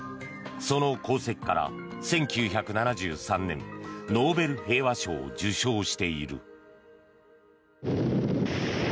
その功績から１９７３年ノーベル平和賞を受賞している。